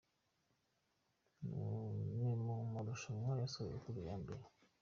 Ni mu marushanwa yasojwe kuri uyu wa Mbere.